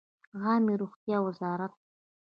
عامې روغتیا وزارت